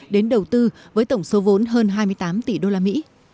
đến đầu tư với tổng số vốn hơn hai mươi tám tỷ usd